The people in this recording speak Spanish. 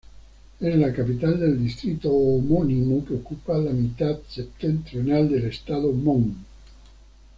Es la capital del distrito homónimo, que ocupa la mitad septentrional del Estado Mon.